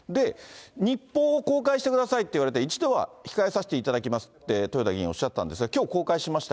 日報を公開してくださいって言われて、一度は控えさせていただきますって、豊田議員はおっしゃっていますが、きょう公開しました